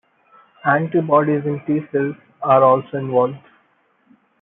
Antibodies and T cells are also involved.